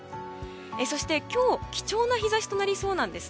そして、今日貴重な日差しとなりそうです。